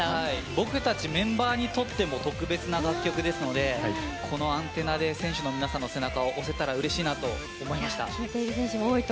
僕たちメンバーにとっても特別な楽曲ですのでこの「ＡＮＴＥＮＮＡ」で選手の皆さんの背中を押せたらうれしいなと思いました。